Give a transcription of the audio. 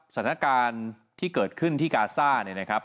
สถานการณ์ที่เกิดขึ้นที่กาซ่าเนี่ยนะครับ